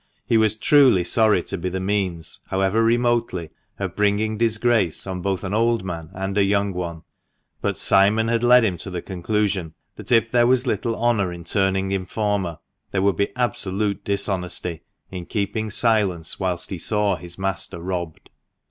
He was truly sorry to be the means, however remotely, of bringing disgrace on both an old man and a young one ; but Simon had led him to the conclusion that if there was little honour in turning informer, there would be absolute dishonesty in keeping silence whilst he saw his master robbed.